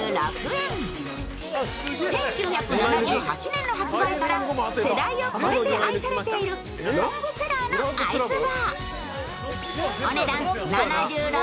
１９７８年の発売から世代を越えて愛されているロングセラーのアイスバー。